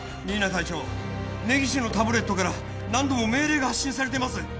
新名隊長根岸のタブレットから何度も命令が発信されています